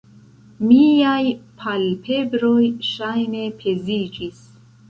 Miaj palpebroj ŝajne peziĝis.